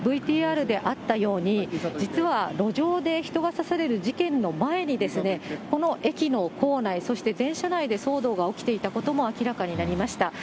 ＶＴＲであったように、実は、路上で人が刺される事件の前に、この駅の構内、そして電車内で騒動が起きていたことも明らかになりました。